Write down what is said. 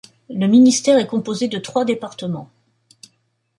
Le ministère est composé de trois départements.